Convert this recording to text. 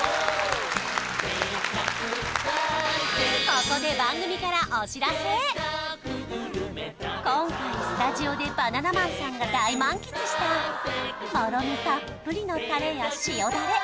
ここで番組から今回スタジオでバナナマンさんが大満喫したもろみたっぷりのタレや塩ダレ